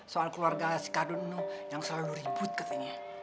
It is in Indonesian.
soal keluarga si kak ardun yang selalu ribut katanya